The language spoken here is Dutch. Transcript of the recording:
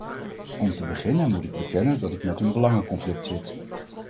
Om te beginnen moet ik bekennen dat ik met een belangenconflict zit.